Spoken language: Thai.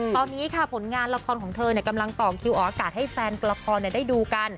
ตอนนี้ค่ะผลงานละครของเธอกำลังต่อคิวออกอากาศให้แฟนละครได้ดูกัน